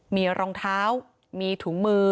มีรองเท้ามีถุงมือ